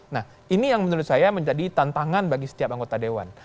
nah ini yang menurut saya menjadi tantangan bagi setiap anggota dewan